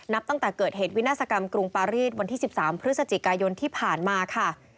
ตั้งแต่เกิดเหตุวินาศกรรมกรุงปารีสวันที่๑๓พฤศจิกายนที่ผ่านมาค่ะ